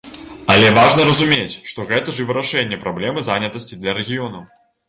Але важна разумець, што гэта ж і вырашэнне праблемы занятасці для рэгіёнаў.